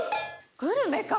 グルメか！